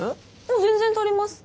全然足ります。